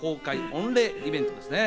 御礼イベントですね。